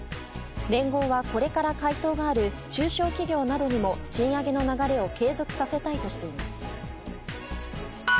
連合はこれから回答がある中小企業などにも賃上げの流れを継続させたいとしています。